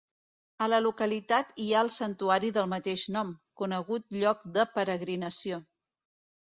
A la localitat hi ha el santuari del mateix nom, conegut lloc de peregrinació.